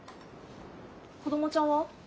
子どもちゃんは？